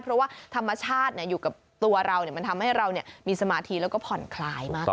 เพราะว่าธรรมชาติอยู่กับตัวเรามันทำให้เรามีสมาธิแล้วก็ผ่อนคลายมากขึ้น